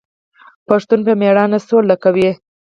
پښتون په میړانه سوله کوي.